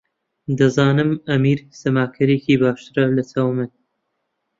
دەزانم ئەمیر سەماکەرێکی باشترە لەچاو من.